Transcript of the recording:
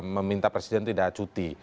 meminta presiden tidak cuti